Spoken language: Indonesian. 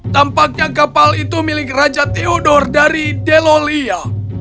tampaknya kapal itu milik raja theodor dari delolia